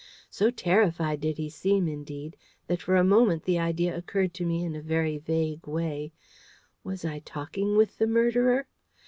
So terrified did he seem, indeed, that for a moment the idea occurred to me in a very vague way Was I talking with the murderer?